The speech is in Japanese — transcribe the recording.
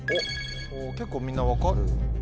結構みんな分かる。